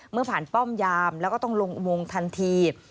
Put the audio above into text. เมื่อผ่านป้อมยามแล้วก็ต้องลงอุโมงทันที